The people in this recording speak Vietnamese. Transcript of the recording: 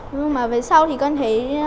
nhưng mà về sau thì con thấy